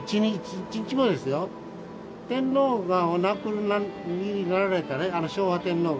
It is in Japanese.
天皇がお亡くなりになられたね昭和天皇が。